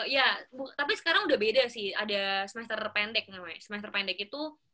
ya tapi sekarang udah beda sih ada semester pendek namanya semester pendek itu